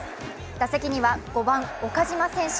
打席には５番・岡島選手。